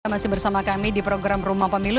masih bersama kami di program rumah pemilu